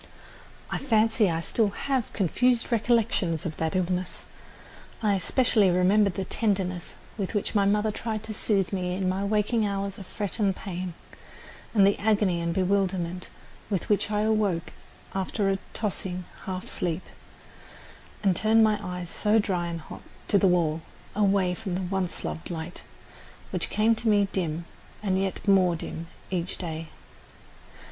I fancy I still have confused recollections of that illness. I especially remember the tenderness with which my mother tried to soothe me in my waling hours of fret and pain, and the agony and bewilderment with which I awoke after a tossing half sleep, and turned my eyes, so dry and hot, to the wall away from the once loved light, which came to me dim and yet more dim each day.